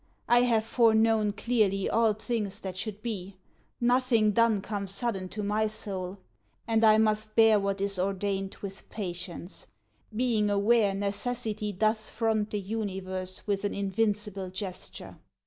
I have fore known Clearly all things that should be; nothing done Comes sudden to my soul and I must bear What is ordained with patience, being aware Necessity doth front the universe With an invincible gesture.